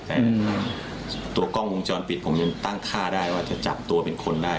แต่ตัวกล้องวงจรปิดผมยังตั้งท่าได้ว่าจะจับตัวเป็นคนได้